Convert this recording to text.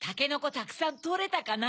たくさんとれたかな」